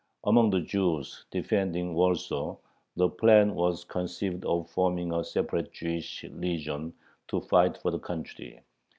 Among the Jews defending Warsaw the plan was conceived of forming a separate Jewish legion to fight for the country.